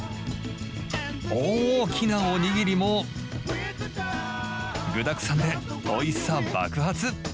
大きなおにぎりも、具だくさんでおいしさ爆発。